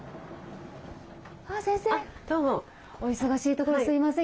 先生お忙しいところすいません。